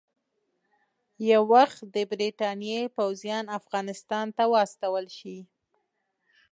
یو وخت د برټانیې پوځیان افغانستان ته واستول شي.